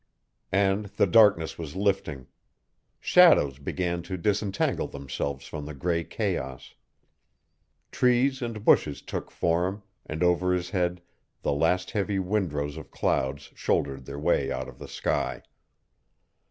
And the darkness was lifting. Shadows began to disentangle themselves from the gray chaos. Trees and bushes took form, and over his head the last heavy windrows of clouds shouldered their way out of the sky.